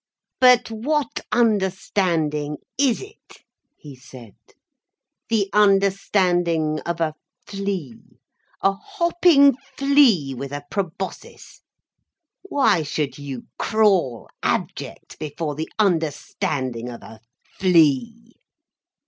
"But what understanding is it?" he said. "The understanding of a flea, a hopping flea with a proboscis. Why should you crawl abject before the understanding of a flea?"